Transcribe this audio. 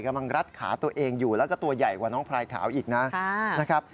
กำลังรัดขาตัวเองอยู่แล้วก็ตัวใหญ่กว่าน้องพรายขาวอีกนะ